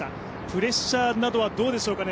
プレッシャーなどはどうでしょうか？